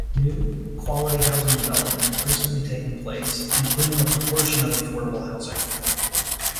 New, quality housing development has recently taken place, including a proportion of affordable housing.